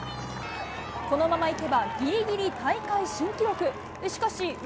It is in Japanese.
このままいけば、ぎりぎり大会新記録。